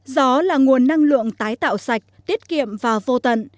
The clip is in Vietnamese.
gió là nguồn năng lượng tái tạo sạch tiết kiệm và vô tận